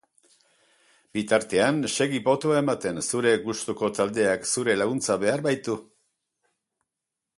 Bitartean, segi botoa ematen, zure gustuko taldeak zure laguntza behar baitu!